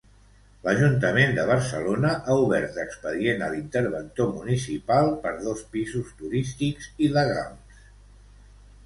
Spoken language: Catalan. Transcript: L'Ajuntament de Barcelona ha obert expedient a l'interventor municipal per dos pisos turístics il·legals.